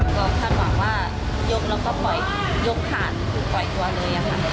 ก็คาดหวังว่ายกแล้วก็ปล่อยยกผ่านปล่อยตัวเลยค่ะ